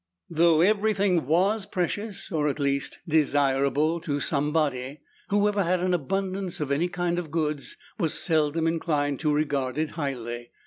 Though everything was precious, or at least desirable, to somebody, whoever had an abundance of any kind of goods was seldom inclined to regard it highly.